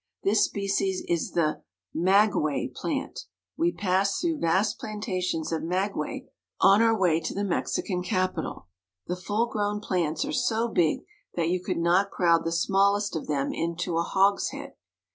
This species is the mag uey plant. We pass through vast plantations of maguey on our way to the Mexican capital. The full grown plants are so big that you could not crowd the smallest of them into a hogshead.